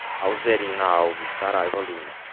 Alzerina Alves Saraiva Lima